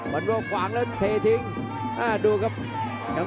มันว่าขวางแล้วเททิ้ง